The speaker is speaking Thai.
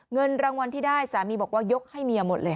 เงินรางวัลที่ได้สามีบอกว่ายกให้เมียหมดเลย